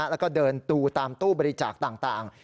แล้วก็เดินตูตามตู้บริจาคต่าง